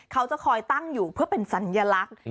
เขาจะคอยตั้งอยู่เพื่อเป็นสัญลักษณ์